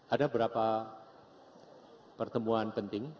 ada berapa pertemuan penting